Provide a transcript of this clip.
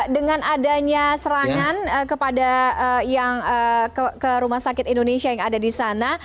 dengan adanya serangan kepada yang ke rumah sakit indonesia yang ada di sana